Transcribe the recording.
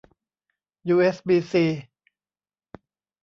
ยูเอสบีซี